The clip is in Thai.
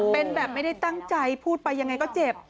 เป็นแบบไม่ได้ตั้งใจพูดไปยังไงก็เจ็บ